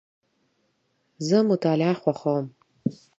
زه مطالعه خوښوم.